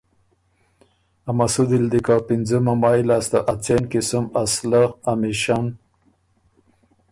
ا مسودی ل دی که پِنځُمه مای لاسته ا څېن قسم اسلحه، امیشن